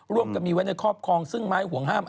ร่วมกันมีไว้ในครอบครองซึ่งไม้ห่วงห้าม